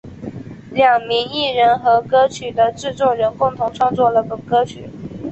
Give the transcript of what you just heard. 两名艺人和歌曲的制作人共同创作了本歌曲。